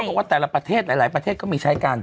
บอกว่าแต่ละประเทศหลายประเทศก็มีใช้กัน